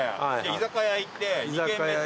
居酒屋行って２軒目に？